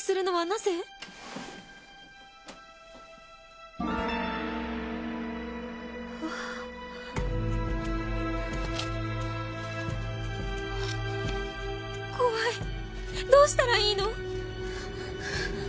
どうしたらいいの？